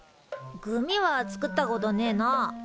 グミは作ったことねえな。